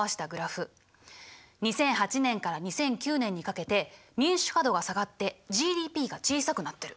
２００８年から２００９年にかけて民主化度が下がってＧＤＰが小さくなってる。